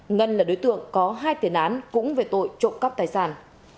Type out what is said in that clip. ngân là đối tượng có hai tiền án cũng về tội trộm cắp tài sản